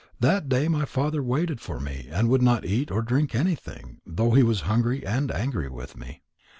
That day my father waited for me and would not eat or drink anything, though he was hungry and angry with me.